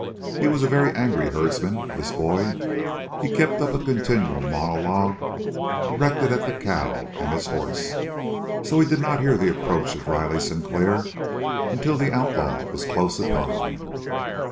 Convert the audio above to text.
He was a very angry herdsman, this boy. He kept up a continual monologue directed at the cow and his horse, and so he did not hear the approach of Riley Sinclair until the outlaw was close upon him.